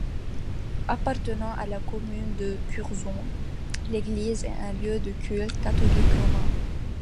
Appartenant à la commune de Curzon, l’église est un lieu de culte catholique romain.